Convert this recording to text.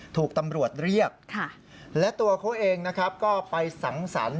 ถูกตำรวจเรียกและตัวเขาเองนะครับก็ไปสังสรรค์